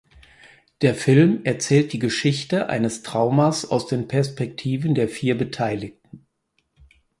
Der Film erzählt die Geschichte eines Traumas aus den Perspektiven der vier Beteiligten.